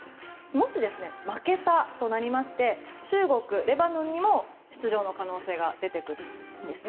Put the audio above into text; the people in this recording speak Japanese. もし負けたとなりまして中国、レバノンにも出場の可能性が出てきます。